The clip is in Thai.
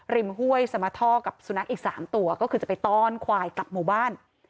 ห้วยสมท่อกับสุนัขอีก๓ตัวก็คือจะไปต้อนควายกลับหมู่บ้าน